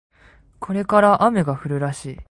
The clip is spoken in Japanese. これから雨が降るらしい